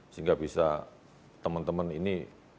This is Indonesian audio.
sehingga bisa teman teman ini